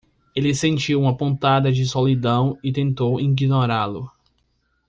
Ele sentiu uma pontada de solidão e tentou ignorá-lo.